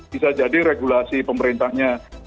bisa jadi regulasi pemerintahnya